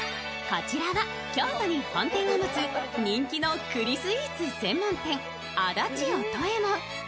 こちらは京都に本店を持つ、人気の栗スイーツ専門店足立音衛門。